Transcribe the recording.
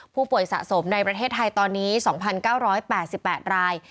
ผู้ป่วยสะสมในประเทศไทยตอนนี้๒๙๘๘ราย